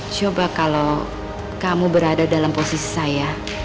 coba kalau kamu berada dalam posisi saya